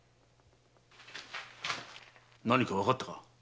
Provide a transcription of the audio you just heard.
何かわかったか？